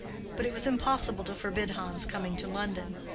But it was impossible to forbid Hans's coming to London.